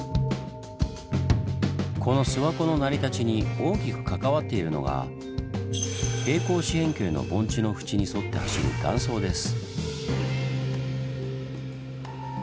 この諏訪湖の成り立ちに大きく関わっているのが平行四辺形の盆地の縁に沿って走る断層です。